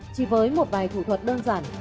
chỉ với một vài thủ thuật đơn giản